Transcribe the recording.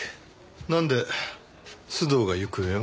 なんで須藤が行方を？